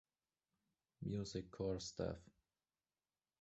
Music Core' staff.